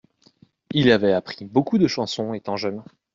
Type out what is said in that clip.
Il avait appris beaucoup de chansons étant jeune.